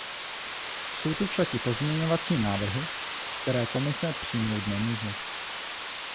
Jsou tu však i pozměňovací návrhy, které Komise přijmout nemůže.